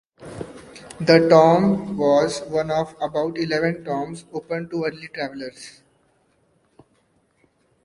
The tomb was one of about eleven tombs open to early travelers.